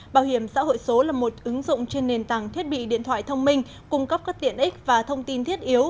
bảo hiểm xã hội số là một ứng dụng trên nền tảng thiết bị điện thoại thông minh cung cấp các tiện ích và thông tin thiết yếu